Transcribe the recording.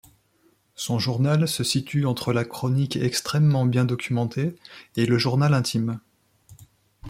Son journal se situe entre la chronique extrêmement bien documentée et le journal intime.